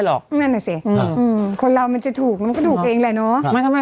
หรอกอืมคนเรามันจะถูกมันก็ถูกเองแหละเนอะไม่ถ้าไม่